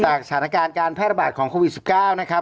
สถานการณ์การแพร่ระบาดของโควิด๑๙นะครับ